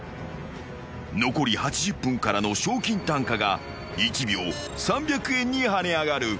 ［残り８０分からの賞金単価が１秒３００円に跳ね上がる］